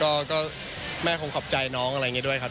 ก็แม่คงขอบใจน้องอะไรอย่างนี้ด้วยครับ